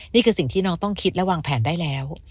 นี่คือสิ่งที่น้องต้องคิดและวางแผนได้แล้ว